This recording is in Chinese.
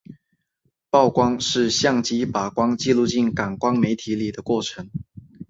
曝光是相机把光记录进感光媒体里的过程。